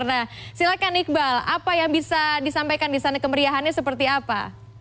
nah silakan iqbal apa yang bisa disampaikan di sana kemeriahannya seperti apa